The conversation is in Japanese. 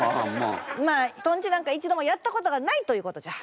まあとんちなんか一度もやったことがないということじゃ。